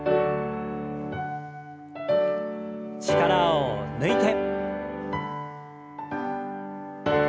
力を抜いて。